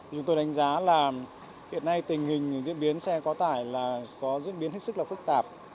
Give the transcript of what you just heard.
chúng tôi đánh giá là hiện nay tình hình diễn biến xe quá tải là có diễn biến hết sức là phức tạp